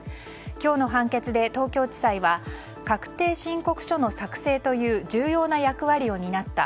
今日の判決で東京地裁は確定申告書の作成という重要な役割を担った。